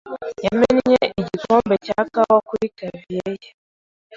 yamennye igikombe cya kawa kuri clavier ye.